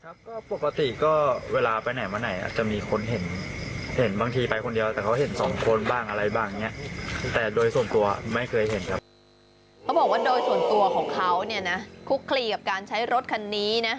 เขาบอกว่าโดยส่วนตัวของเขาเนี่ยนะคุกคลีกับการใช้รถคันนี้นะ